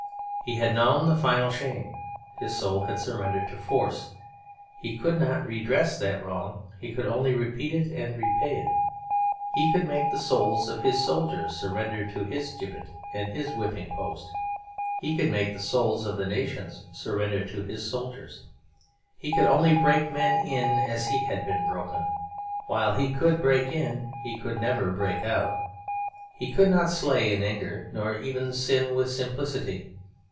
He had known the final shame; his soul had surrendered to force. He could not redress that wrong; he could only repeat it and repay it. He could make the souls of his soldiers surrender to his gibbet and his whipping post; he could 'make the souls of the nations surrender to his soldiers. He could only break men in as he had been broken; while he could break in, he could never break out. He could not slay in anger, nor even sin with simplicity.